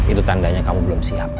itu tandanya kamu belum siap